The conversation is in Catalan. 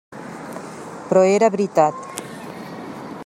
Però era veritat.